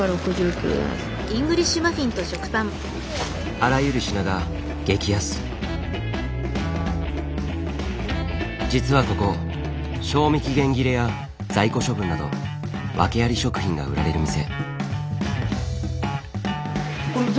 あらゆる品が実はここ賞味期限切れや在庫処分などワケあり食品が売られる店。